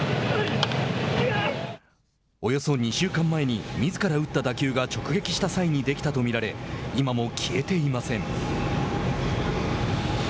およそ２週間前にみずから打った打球が直撃した際にできたとみられ今も消えていません。